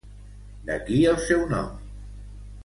D'aquí el seu nom.